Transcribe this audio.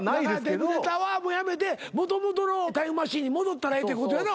デブネタはもうやめてもともとのタイムマシーンに戻ったらええってことやな？